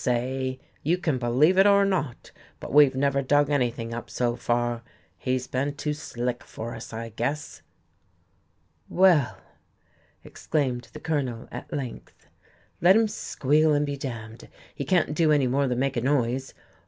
"Say, you can believe it or not, but we've never dug anything up so far. He's been too slick for us, I guess." "Well," exclaimed the Colonel, at length, "let him squeal and be d d! He can't do any more than make a noise.